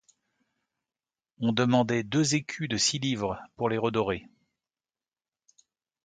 On demandait deux écus de six livres pour les redorer.